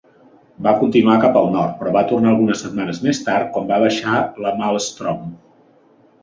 Va continuar cap al nord, però va tornar algunes setmanes més tard, quan va baixar la maelstrom.